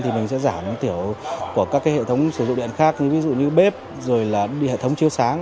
thì mình sẽ giảm tiểu của các hệ thống sử dụng điện khác như bếp hệ thống chiếu sáng